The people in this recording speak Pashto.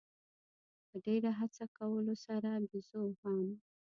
په ډېره هڅه کولو سره بېزو هم.